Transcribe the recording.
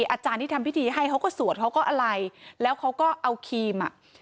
อาจารย์ที่ทำพิธีให้เขาก็สวดเขาก็อะไรแล้วเขาก็เอาครีมอ่ะ